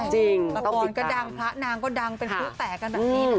จริงละครก็ดังพระนางก็ดังเป็นผู้แตกกันแบบนี้